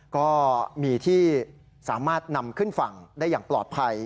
ก็มีที่สามารถนำขึ้นฝั่งได้อย่างปลอดภัย